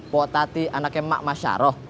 pak tati anaknya emak mas syaroh